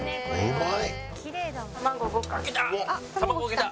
きた！